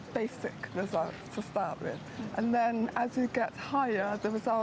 pencaksulat membutuhkan dua tahun